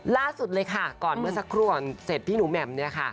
ล่าสุดเลยค่ะก่อนเมื่อสักครู่ก่อนเสร็จพี่หนูแหม่มเนี่ยค่ะ